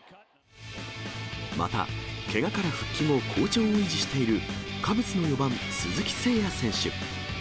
また、けがから復帰後、好調を維持しているカブスの４番鈴木誠也選手。